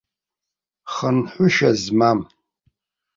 Хынҳәышьа змам?